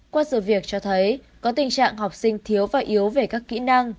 qua sự việc cho thấy có tình trạng học sinh thiếu và yếu về các kỹ năng